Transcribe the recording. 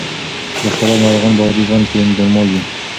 د اختلال ناروغان په عادي ژوند کې نورمال وي.